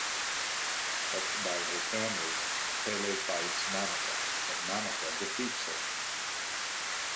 Helped by her family, Pele fights Namaka, but Namaka defeats her.